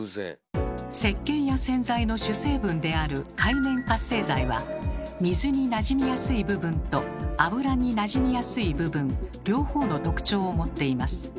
せっけんや洗剤の主成分である「界面活性剤」は水になじみやすい部分と油になじみやすい部分両方の特徴を持っています。